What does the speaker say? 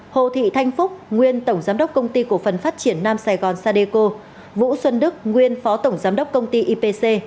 hồ thị thanh phúc nguyên tổng giám đốc công ty cổ phần phát triển nam sài gòn sadeco vũ xuân đức nguyên phó tổng giám đốc công ty ipc